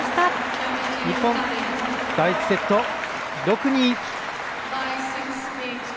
日本、第１セット、６−２。